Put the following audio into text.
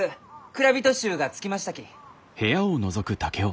蔵人衆が着きましたき。